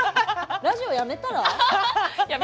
ラジオやめたら？